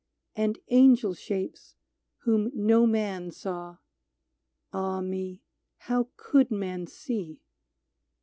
And angel shapes, whom no man saw — Ah me ! how could men see